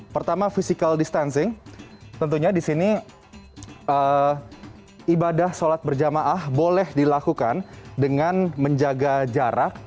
pertama physical distancing tentunya di sini ibadah sholat berjamaah boleh dilakukan dengan menjaga jarak